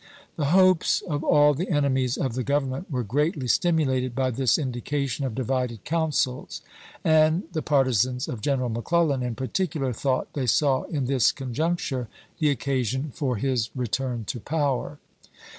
The hopes of all the enemies of the Government were greatly stimulated by this indication of divided counsels, and the partisans of Greneral McClellan in particular thought they saw in this conjuncture the occasion for his return to power.